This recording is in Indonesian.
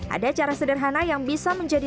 ada cara sederhana yang bisa menjadi